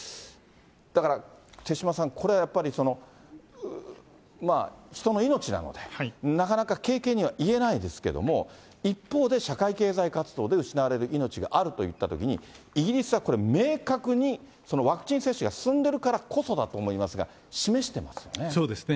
だから手嶋さん、これ、やっぱりその人の命なので、なかなか軽々には言えないですけれども、一方で社会経済活動で失われる命があるといったときに、イギリスはこれ、明確にワクチン接種が進んでいるからこそだと思いますが、示していますよね。